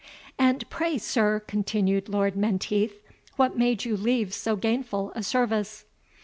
"And pray, Sir," continued Lord Menteith, "what made you leave so gainful a service?"